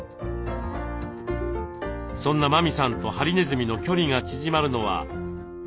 そんな麻美さんとハリネズミの距離が縮まるのはおやつの時間。